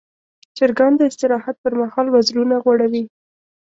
چرګان د استراحت پر مهال وزرونه غوړوي.